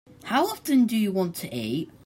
How often do you want to eat?